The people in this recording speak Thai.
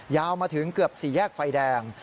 ยาวมาถึงเกือบ๔แยกไฟแดง